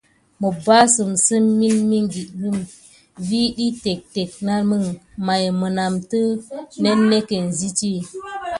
Məpbassitsəm migilmə vi ɗyi téctéc naməŋ, may mənatə nannéckéne sit zitti.